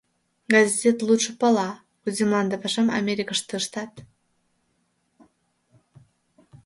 Газет лудшо пала, кузе мланде пашам Америкыште ыштат.